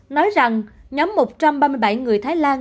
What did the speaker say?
nói rằng nhóm một trăm ba mươi bảy người thái lan